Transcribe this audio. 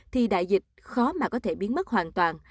thì đại dịch khó mà có thể biến mất hoàn toàn